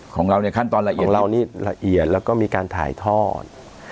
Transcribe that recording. ของเรานี่ขั้นตอนละเอียดแล้วก็มีการถ่ายทอด